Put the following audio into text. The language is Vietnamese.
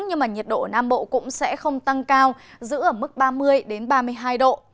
nhưng mà nhiệt độ ở nam bộ cũng sẽ không tăng cao giữ ở mức ba mươi ba mươi hai độ